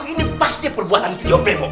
ini pasti perbuatan video bemo